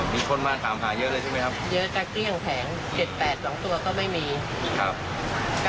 อ๋อมีคนมากขามค่ะเยอะเลยใช่มั้ยครับ